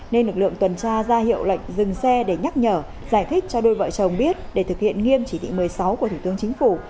nên lực lượng tuần tra ra hiệu lệnh dừng xe để nhắc nhở giải thích cho đôi vợ chồng biết để thực hiện nghiêm chỉ thị một mươi sáu của thủ tướng chính phủ